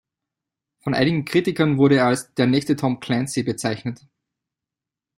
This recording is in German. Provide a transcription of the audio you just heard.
Von einigen Kritikern wurde er als „der nächste Tom Clancy“ bezeichnet.